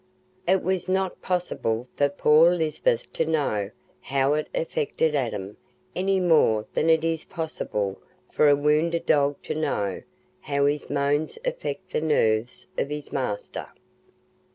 It was not possible for poor Lisbeth to know how it affected Adam any more than it is possible for a wounded dog to know how his moans affect the nerves of his master.